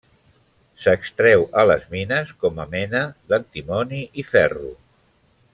S'extreu a les mines com a mena d'antimoni i ferro.